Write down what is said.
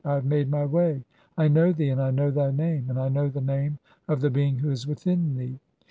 I have made [my] way. I know thee, and I know "thy name, and (42) I know the name of the being who is "within thee.